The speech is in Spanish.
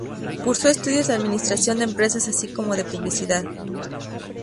Cursó estudios de administración de empresas así como de publicidad.